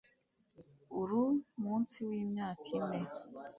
uru munsi y'imyaka ine